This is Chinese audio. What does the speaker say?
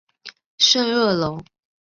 圣热龙。